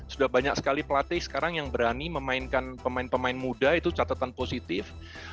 sudah banyak sekali pelatih sekarang yang berani memainkan pemain pemain muda itu catatan positif